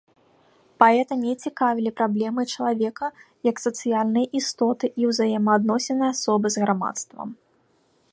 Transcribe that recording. Паэта не цікавілі праблемы чалавека як сацыяльнай істоты і ўзаемаадносіны асобы з грамадствам.